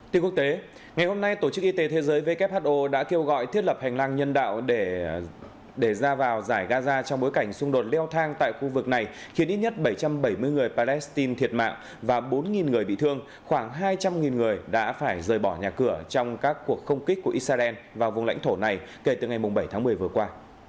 tiếng quốc tế ngày hôm nay tổ chức y tế thế giới who đã kêu gọi thiết lập hành lang nhân đạo để ra vào giải gaza trong bối cảnh xung đột leo thang tại khu vực này khiến ít nhất bảy trăm bảy mươi người palestine thiệt mạng và bốn người bị thương khoảng hai trăm linh người đã phải rời bỏ nhà cửa trong các cuộc không kích của israel vào vùng lãnh thổ này kể từ ngày bảy tháng một mươi vừa qua